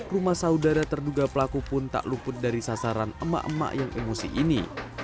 rumah saudara terduga pelaku pun tak luput dari sasaran emak emak yang emosi ini